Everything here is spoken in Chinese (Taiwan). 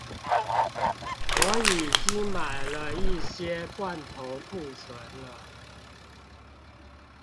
我已經買了一些罐頭庫存了